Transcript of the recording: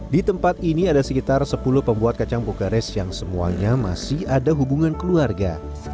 di tempat ini ada sekitar sepuluh pembuat kacang bogares yang semuanya masih ada hubungan keluarga